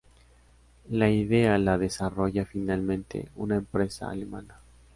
La idea la desarrolla finalmente una empresa alemana.